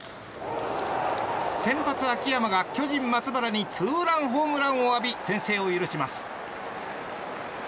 先発、秋山が巨人、松原にツーランホームランを浴び先制を許します。